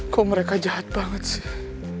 kok mereka jahat banget sih